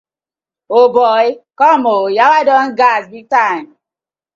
Old boy com ooo!!! Yawa don gas big time.